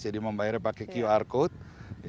jadi membayarnya pakai qr code